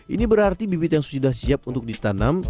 ini berarti bibit yang sudah siap untuk ditanam